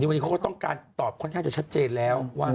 นี้โคตรต่อค่อนข้างจะชัดเจนแล้ว